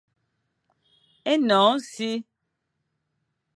Énoñ e si,